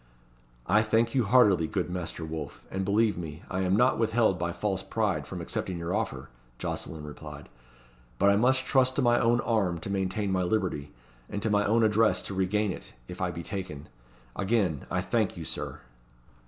"I thank you heartily, good Master Wolfe, and believe me, I am not withheld by false pride from accepting your offer," Jocelyn replied; "but I must trust to my own arm to maintain my liberty, and to my own address to regain it, if I be taken. Again, I thank you, Sir."